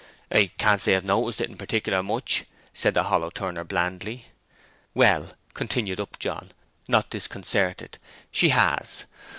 "I can't say I've noticed it particular much," said the hollow turner, blandly. "Well," continued Upjohn, not disconcerted, "she has.